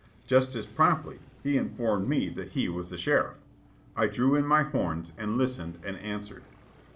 Just as promptly he informed me that he was the sheriff. I drew in my horns and listened and answered.